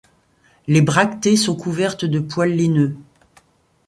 Les bractées sont couvertes de poils laineux.